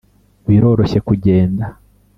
biroroshye kugenda,